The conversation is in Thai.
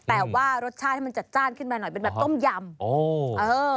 แต่ว่ารสชาติให้มันจัดจ้านขึ้นมาหน่อยเป็นแบบต้มยำอ๋อเออ